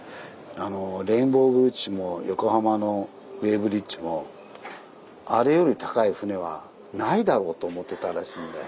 レインボーブリッジも横浜のベイブリッジもあれより高い船はないだろうと思ってたらしいんだよ。